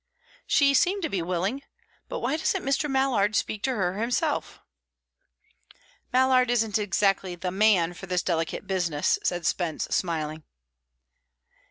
"She seemed to be willing. But why doesn't Mr. Mallard speak to her himself?" "Mallard isn't exactly the man for this delicate business," said Spence, smiling.